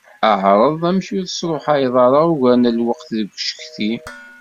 Ԑreḍ amek ur tersruḥayeḍ ugar n lweqt deg ucetki.